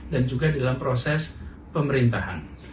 dan juga dalam proses pemerintahan